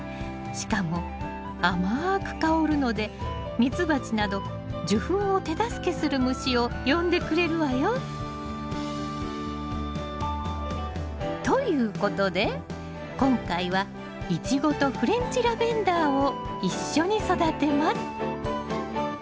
しかも甘く香るので蜜蜂など受粉を手助けする虫を呼んでくれるわよ。ということで今回はイチゴとフレンチラベンダーを一緒に育てます。